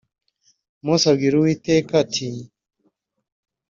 Mose abwira Uwiteka ati